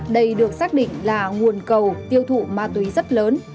đây được xác định là nguồn cầu tiêu thụ ma túy rất lớn